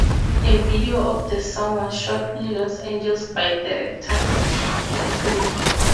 A video of the song was shot in Los Angeles by director Gil Green.